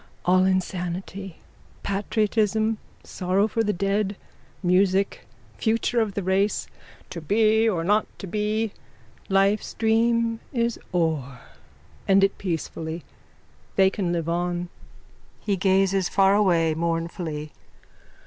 _ All insanity. Patriotism, sorrow for the dead, music, future of the race. To be or not to be. Life's dream is o'er. End it peacefully. They can live on. _(He gazes far away mournfully.)